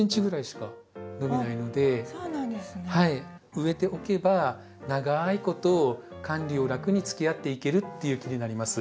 植えておけば長いこと管理を楽につきあっていけるっていう木になります。